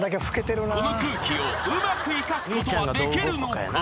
［この空気をうまくいかすことはできるのか？］